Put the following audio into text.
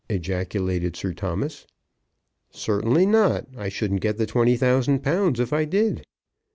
ejaculated Sir Thomas. "Certainly not. I shouldn't get the twenty thousand pounds if I did."